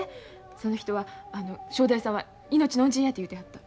その人は正太夫さんは命の恩人やて言うてはった。